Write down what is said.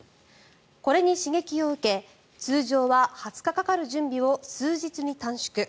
これに刺激を受け通常は２０日かかる準備を数日に短縮。